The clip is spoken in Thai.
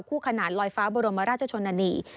คู่ขนานลอยฟ้าบรมราชชนนานี